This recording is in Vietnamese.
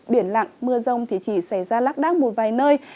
biển lặng mưa rông thì chỉ sẽ ra lắc đắc một vài nơi